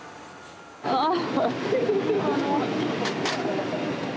ああ。